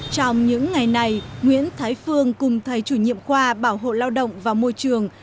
trong những ngày này nguyễn thái phương cùng thầy chủ nhiệm khoa bảo hộ lao động và môi trường